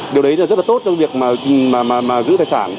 điều đấy rất là tốt trong việc giữ tài sản